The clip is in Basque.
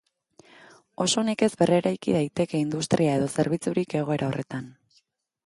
Oso nekez berreraiki daiteke industria edo zerbitzurik egoera horretan.